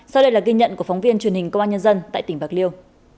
sau đây là ghi nhận của phóng viên truyền hình công an nhân dân tại tỉnh bạc liêu